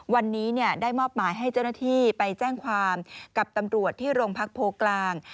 วันนี้ได้มอบหมายให้เจ้าหน้าที่ไปแจ้งความกับตำรวจที่โรงพักโพกลาง